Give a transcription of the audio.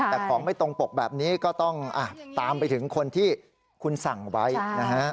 แต่ของไม่ตรงปกแบบนี้ก็ต้องตามไปถึงคนที่คุณสั่งไว้นะฮะ